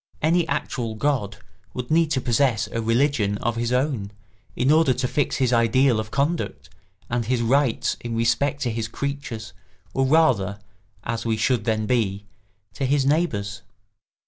Any actual god would need to possess a religion of his own, in order to fix his ideal of conduct and his rights in respect to his creatures or rather, as we should then be, to his neighbours.